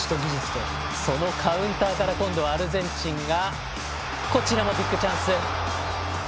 そのカウンターから今度はアルゼンチンこちらもビッグチャンス。